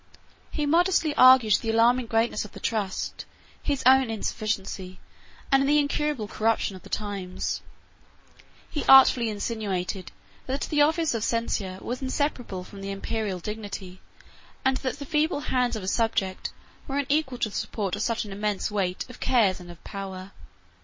He modestly argued the alarming greatness of the trust, his own insufficiency, and the incurable corruption of the times. He artfully insinuated, that the office of censor was inseparable from the Imperial dignity, and that the feeble hands of a subject were unequal to the support of such an immense weight of cares and of power.